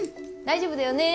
大丈夫だよね？